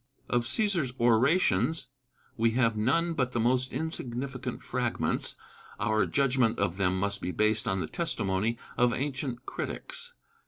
Of Cæsar's orations we have none but the most insignificant fragments our judgment of them must be based on the testimony of ancient critics.